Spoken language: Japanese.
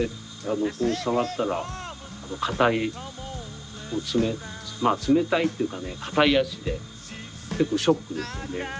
こう触ったら硬い冷たいまあ冷たいっていうかね硬い足で結構ショックでしたよね。